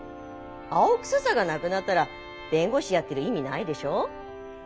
青臭さがなくなったら弁護士やってる意味ないでしょ。